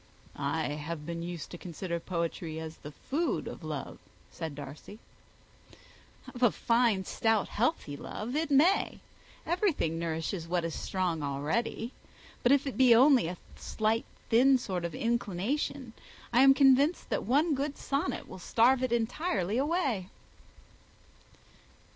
"I have been used to consider poetry as the food of love," said Darcy. "Of a fine, stout, healthy love it may. Everything nourishes what is strong already. But if it be only a slight, thin sort of inclination, I am convinced that one good sonnet will starve it entirely away."